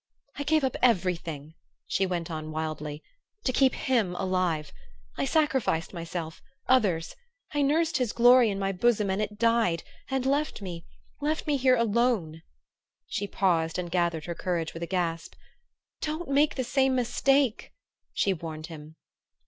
"I gave up everything," she went on wildly, "to keep him alive. I sacrificed myself others I nursed his glory in my bosom and it died and left me left me here alone." She paused and gathered her courage with a gasp. "Don't make the same mistake!" she warned him.